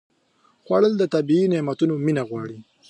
خوړل د طبیعي نعمتونو مینه غواړي